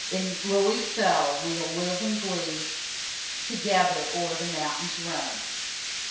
In lily's cell we'll live in glee, Together o'er the mountains roam!